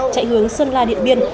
chạy hướng sơn la điện biên